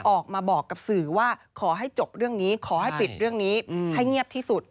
ออกมาบอกกับสื่อว่าขอให้จบเรื่องนี้ขอให้ปิดเรื่องนี้ให้เงียบที่สุด